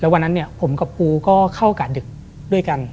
วันนั้นเนี่ยผมกับปูก็เข้ากาดดึกด้วยกัน